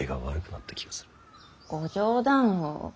ご冗談を。